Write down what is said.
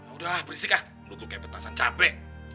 udah berisik lah lu tuh kayak petasan capek